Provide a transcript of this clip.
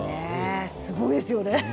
すごいですよね。